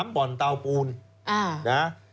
๓บ่อนเตาปูน